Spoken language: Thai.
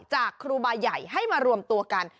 ครูบาใหญ่ให้มารวมตัวกัน